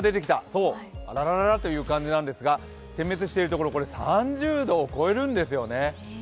そう、あらららという感じなんですが点滅している所、３０度を超えるんですよね。